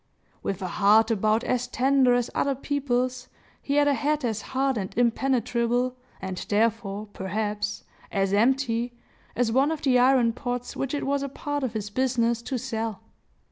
With a heart about as tender as other people's, he had a head as hard and impenetrable, and therefore, perhaps, as empty, as one of the iron pots which it was a part of his business to sell.